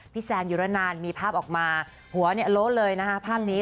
พี่แซมอยู่แล้วนานมีภาพออกมาหัวโล้ดเลยนะภาพนี้